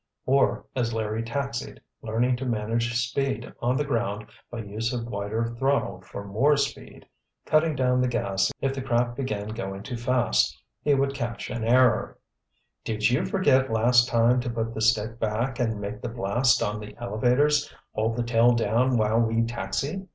Or, as Larry taxied, learning to manage speed on the ground by use of wider throttle for more speed, cutting down the gas if the craft began going too fast, he would catch an error: "Did you forget last time to put the stick back and make the blast on the elevators hold the tail down while we taxi?